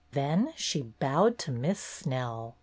Then she bowed to Miss Snell.